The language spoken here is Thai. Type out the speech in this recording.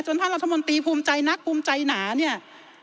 ท่านรัฐมนตรีภูมิใจนักภูมิใจหนาเนี่ย